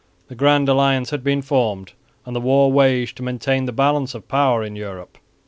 The Grand Alliance had been formed and the war waged to maintain the balance of power in Europe.